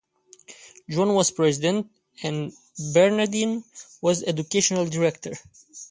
John was President and Bernadean was Educational Director.